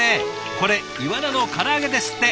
これイワナのから揚げですって。